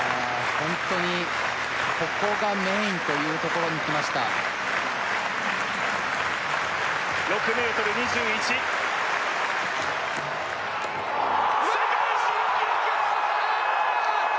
ホントにここがメインというところにきました６ｍ２１世界新記録！やった！